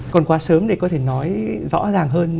còn quá sớm thì có thể nói rõ ràng hơn